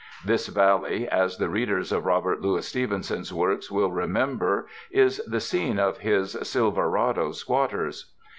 This valley, as the readers of Robert Louis Steven son's works will remember, is the scene of his "Sil verado Squatters."